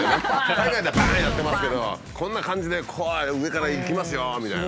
海外では「バーン」やってますけどこんな感じで上からいきますよみたいな。